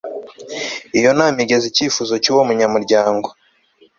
iyo nama igeza icyifuzo cy'uwo munyamuryango